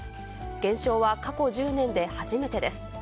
減少は過去１０年で初めてです。